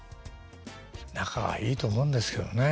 仲はいいと思うんですけどね。